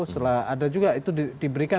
setelah ada juga itu diberikan